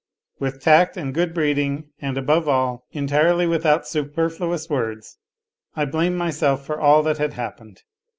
With tact and good breeding, and, above all, entirely without super fluous words, I blamed myself for all that had happened.